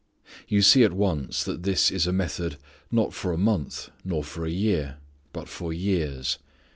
You see at once that this is a method not for a month, nor for a year, but for years.